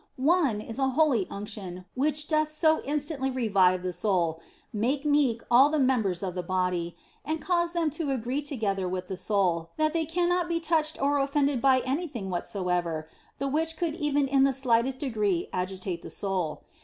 One is an holy unction which doth so instantly revive the soul, make meek all the members of the body, and cause them to agree together with the soul, that they cannot be touched or offended by anything whatsoever the which could even in the smallest degree agitate the soul.